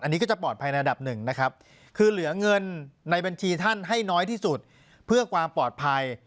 อันนี้ก็จะปลอดภัยในระดับหนึ่งนะครับคือเหลือเงินในบัญชีท่านให้น้อยที่สุดเพื่อความปลอดภัย